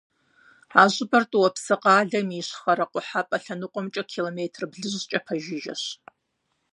А щӏыпӏэр ТӀуапсы къалэм и ищхъэрэ-къухьэпӀэ лъэныкъуэмкӀэ километр блыщӏкӀэ пэжыжьэщ.